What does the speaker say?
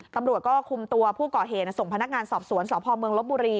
ตำรวจก็คุมตัวผู้ก่อเหตุส่งพนักงานสอบสวนสพเมืองลบบุรี